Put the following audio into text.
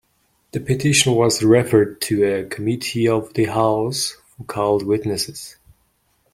The petition was referred to a committee of the House, who called witnesses.